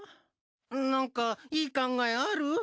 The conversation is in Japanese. なんかいい考えある？